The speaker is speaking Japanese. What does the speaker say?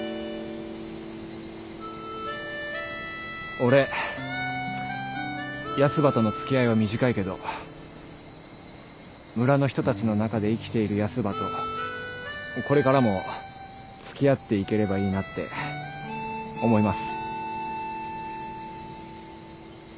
俺ヤスばとの付き合いは短いけど村の人たちの中で生きているヤスばとこれからも付き合っていければいいなって思います。